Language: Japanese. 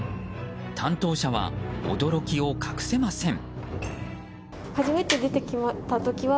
担当者は、驚きを隠せません。